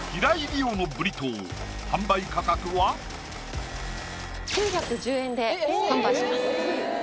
理央のブリトー販売価格は９１０円で販売します